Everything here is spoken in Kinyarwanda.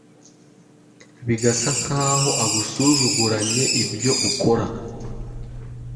bigasa nk’aho agusuzuzuguranye ibyo ukora